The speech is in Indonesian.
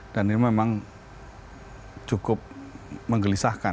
dan ini memang cukup menggelisahkan